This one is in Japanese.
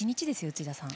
内田さん。